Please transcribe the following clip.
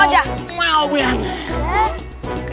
mau mau banget